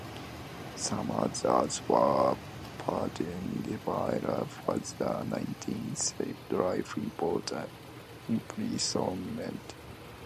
Some others were pardoned, while a further nineteen served life imprisonment.